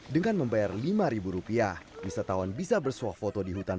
dengan membayar lima rupiah wisatawan bisa bersuah foto di hutan